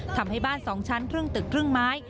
ทำให้บ้าน๒ชั้นครึ่งตึกครึ่งไม้